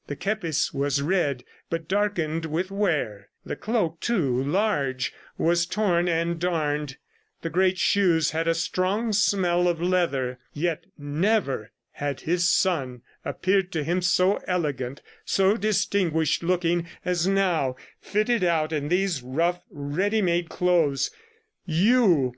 ... The kepis was red, but darkened with wear; the cloak, too large, was torn and darned; the great shoes had a strong smell of leather. Yet never had his son appeared to him so elegant, so distinguished looking as now, fitted out in these rough ready made clothes. "You!